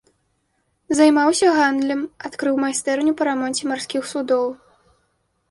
Займаўся гандлем, адкрыў майстэрню па рамонце марскіх судоў.